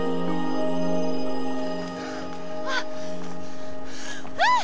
あっあっ！